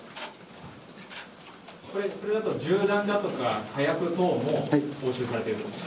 それだと銃弾だとか火薬等も押収されている。